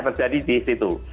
terjadi di situ